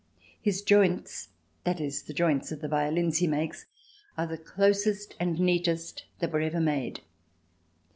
"His joints [i.e. the joints of the violins he makes] are the closest and neatest that were ever made."